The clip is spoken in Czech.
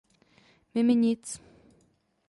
Mimi nic.